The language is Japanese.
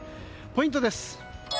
ポイントです。